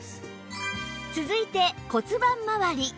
続いて骨盤まわり